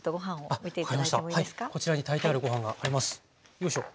よいしょ。